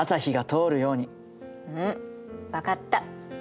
うん分かった！